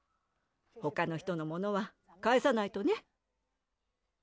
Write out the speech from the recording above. ほかの人のものはかえさないとね。